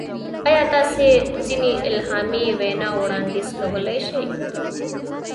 ایا تاسو ځینې الهامي وینا وړاندیز کولی شئ؟